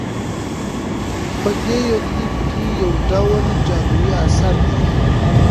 په دې يونليک کې يوډول جادويي اثر دى